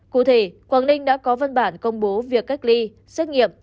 cụ thể quảng ninh đã có văn bản công bố việc cách ly xét nghiệm